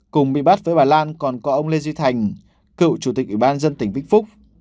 cùng bị bắt với bà lan còn có ông lê duy thành cựu chủ tịch ủy ban dân tỉnh vĩnh phúc